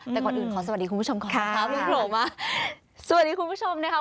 แต่ก่อนอื่นขอสวัสดีคุณผู้ชมขอบคุณครับ